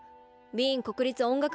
ウィーン国立音楽